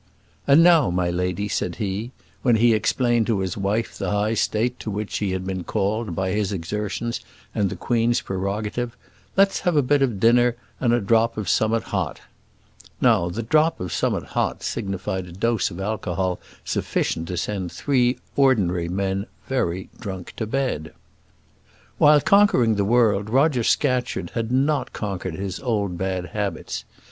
"And now, my lady," said he, when he explained to his wife the high state to which she had been called by his exertions and the Queen's prerogative, "let's have a bit of dinner, and a drop of som'at hot." Now the drop of som'at hot signified a dose of alcohol sufficient to send three ordinary men very drunk to bed. While conquering the world Roger Scatcherd had not conquered his old bad habits.